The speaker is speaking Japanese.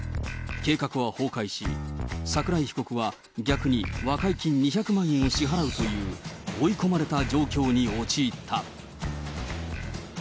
計画は崩壊し、桜井被告は逆に、和解金２００万円を支払うという、追い込まれた状況に陥った。